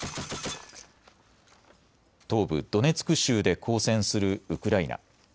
東部ドネツク州で抗戦するウクライナ。